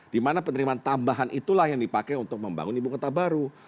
dimana penerimaan tambahan itulah yang dipakai untuk membangun ibu kota baru